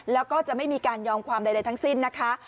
แล้วก็จะไม่มีการยอมความใดทั้งสิ้นนะคะ